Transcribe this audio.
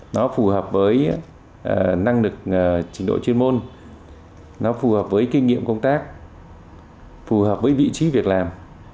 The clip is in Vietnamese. nó phù hợp với năng lực trình độ chuyên môn nó phù hợp với kinh nghiệm công tác phù hợp với vị trí việc làm